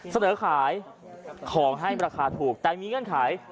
เสนอขายของให้ราคาถูกแต่มีเงื่อนไข